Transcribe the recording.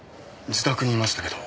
自宅にいましたけど。